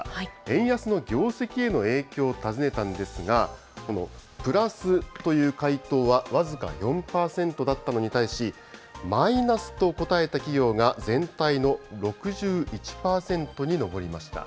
円安の業績への影響を尋ねたんですが、このプラスという回答は、僅か４％だったのに対し、マイナスと答えた企業が全体の６１％に上りました。